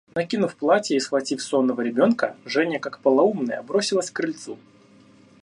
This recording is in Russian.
Накинув платье и схватив сонного ребенка, Женя, как полоумная, бросилась к крыльцу.